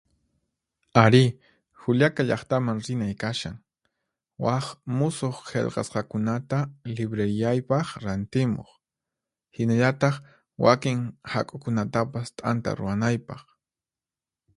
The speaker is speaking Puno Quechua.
Ari, Juliaka llaqtaman rinay kashan, waq musuq qillqasqakunata libreriyaypaq rantimuq, hinallataq wakin hak'ukunatapas t'anta ruwanaypaq.